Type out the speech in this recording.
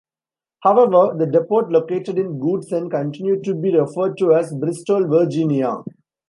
However, the depot located in Goodson continued to be referred to as Bristol, Virginia.